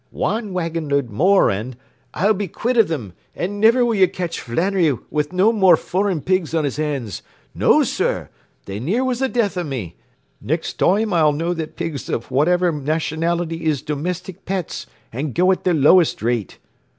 “Wan wagonload more an, I'll be quit of thim, an' niver will ye catch Flannery wid no more foreign pigs on his hands. No, sur! They near was the death o' me. Nixt toime I'll know that pigs of whaiver nationality is domistic pets an' go at the lowest rate.